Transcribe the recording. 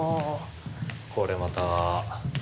これまた。